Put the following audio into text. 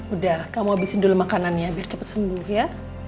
udah kamu habisin dulu makanannya biar cepat sembuh ya